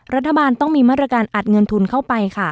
รัฐบาลต้องมีมาตรการอัดเงินทุนเข้าไปค่ะ